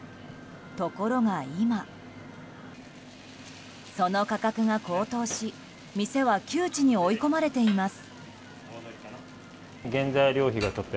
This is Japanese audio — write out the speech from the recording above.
ところが今その価格が高騰し店は窮地に追い込まれています。